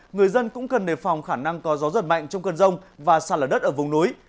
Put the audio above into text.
người dân cũng cần đề phòng khả năng có gió giật mạnh trong cơn rông và sạt lở đất ở vùng núi